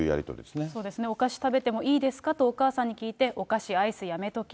お菓子食べてもいいですかとお母さんに聞いて、お菓子、アイスやめとき。